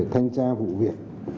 thành tra vụ việc